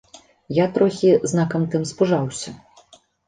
Я трохі, знакам тым, спужаўся.